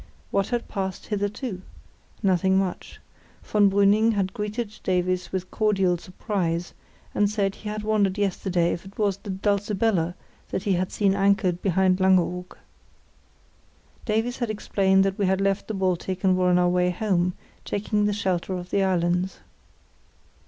What had passed hitherto? Nothing much. Von Brüning had greeted Davies with cordial surprise, and said he had wondered yesterday if it was the Dulcibella that he had seen anchored behind Langeoog. Davies had explained that we had left the Baltic and were on our way home; taking the shelter of the islands.